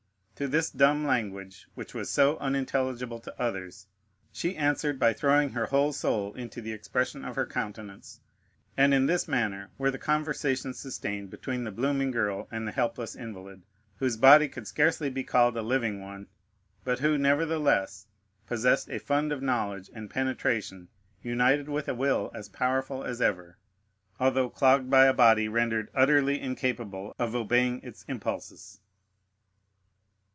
To this dumb language, which was so unintelligible to others, she answered by throwing her whole soul into the expression of her countenance, and in this manner were the conversations sustained between the blooming girl and the helpless invalid, whose body could scarcely be called a living one, but who, nevertheless, possessed a fund of knowledge and penetration, united with a will as powerful as ever although clogged by a body rendered utterly incapable of obeying its impulses.